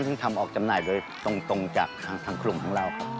ซึ่งทำออกจำหน่ายโดยตรงจากทางกลุ่มของเราครับ